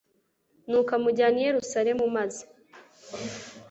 nuko amujyana i yerusalemu maze